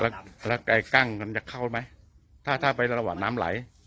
กล้างกับกลางจะเข้าไหมถ้าถ้าไประหว่างน้ำไหล